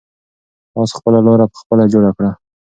آس خپله لاره په خپله جوړه کړه.